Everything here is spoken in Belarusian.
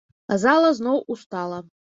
А зала зноў устала.